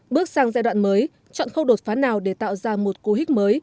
bước sang giai đoạn mới chọn khâu đột phá nào để tạo ra một cú hích mới